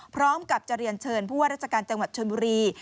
พร้อมกับจะเรียนเชิญผู้ว่าราชการจังหวัดชนบุรี